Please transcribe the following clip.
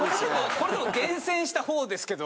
これでも厳選した方ですけど。